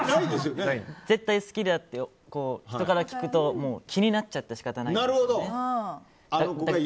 絶対好きだよって人から聞くと気になっちゃって仕方ないんですよね。